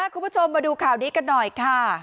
คุณผู้ชมมาดูข่าวนี้กันหน่อยค่ะ